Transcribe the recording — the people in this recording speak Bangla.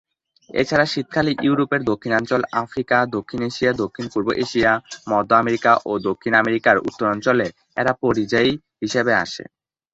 এছাড়া শীতকালে ইউরোপের দক্ষিণাঞ্চল, আফ্রিকা, দক্ষিণ এশিয়া, দক্ষিণ-পূর্ব এশিয়া, মধ্য আমেরিকা ও দক্ষিণ আমেরিকার উত্তরাঞ্চলে এরা পরিযায়ী হিসেবে আসে।